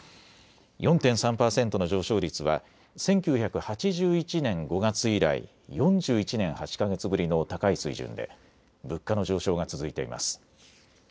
４．３％の上昇率は１９８１年５月以来４１年８か月ぶりの高い水準で物価の上昇が続いています。